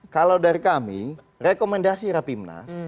kalau dari kami rekomendasi rapimnas